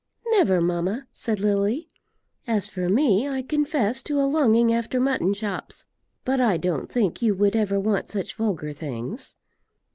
"Never, mamma," said Lily. "As for me, I confess to a longing after mutton chops; but I don't think you would ever want such vulgar things."